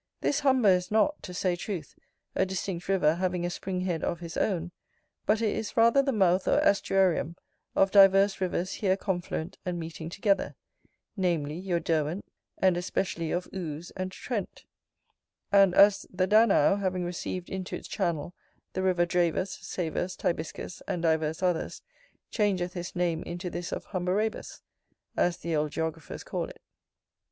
This Humber is not, to say truth, a distinct river having a spring head of his own, but it is rather the mouth or aestuarium of divers rivers here confluent and meeting together, namely, your Derwent, and especially of Ouse and Trent; and, as the Danow, having received into its channel the river Dravus, Savus, Tibiscus, and divers others, changeth his name into this of Humberabus, as the old geographers call it.